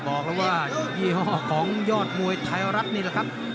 บอกเลยว่ายี่ห้อของยอดมวยไทยรัฐนี่แหละครับ